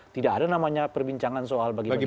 tidak ada namanya perbincangan soal bagi bagi